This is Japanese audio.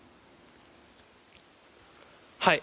はい。